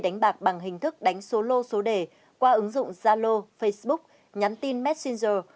đánh bạc bằng hình thức đánh số lô số đề qua ứng dụng zalo facebook nhắn tin messenger